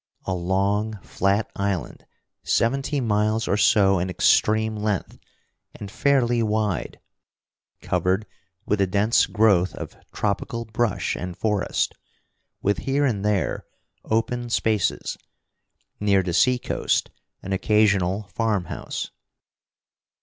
A long, flat island, seventy miles or so in extreme length, and fairly wide, covered with a dense growth of tropical brush and forest, with here and there open spaces, near the seacoast an occasional farm house.